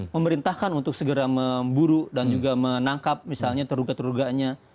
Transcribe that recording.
pemerintahkan untuk segera memburu dan juga menangkap misalnya terugak terugaknya